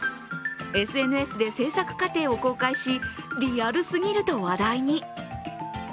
ＳＮＳで製作過程を公開しリアルすぎると話題に。